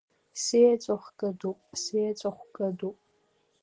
Сиеҵәахә кыдуп, сиеҵәахә кыдуп.